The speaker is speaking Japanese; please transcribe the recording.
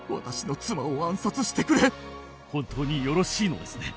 本当によろしいのですね。